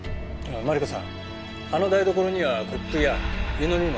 マリコさんあの台所にはコップや湯飲みもありました。